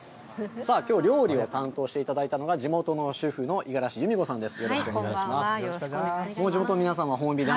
さあ、きょう料理を担当していただいたのが、地元の主婦の五十嵐ゆみ子さんです。